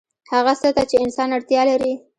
هغه څه ته چې انسان اړتیا لري